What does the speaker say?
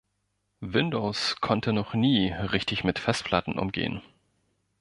Windows konnte noch nie richtig mit Festplatten umgehen.